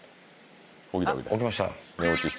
起きました。